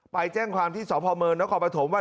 ไปแจ้งความที่สพมแล้วก็ไปถมว่า